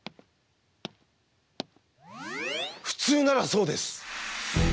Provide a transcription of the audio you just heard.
普通ならそうです。